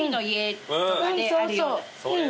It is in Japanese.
そうそう。